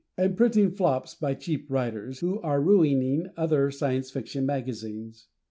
and printing flops by cheap writers, who are ruining other Science Fiction magazines?